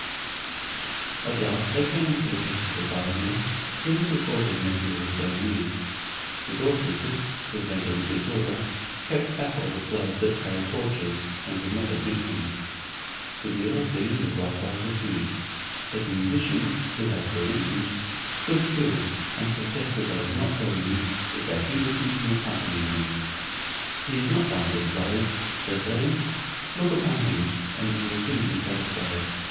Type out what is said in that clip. At last they came to the gates of the vizier who little thought his nephew was so near. The doorkeepers, to prevent any disorder, kept back all the slaves that carried torches, and would not admit them. Buddir ad Deen was likewise refused; but the musicians, who had free entrance, stood still, and protested they would not go in, if they hindered him from accompanying them. "He is not one of the slaves'" said they; "look upon him, and you will soon be satisfied.